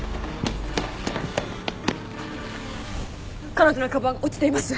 彼女のかばん落ちています。